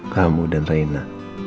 kamu dan reina